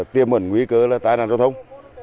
tiêm ẩn nguy cơ là tai nạn giao thông